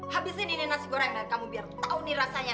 habisin ini nasi goreng dan kamu biar tahu nih rasanya